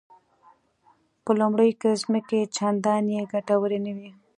په لومړیو کې ځمکې چندانې ګټورې نه وې.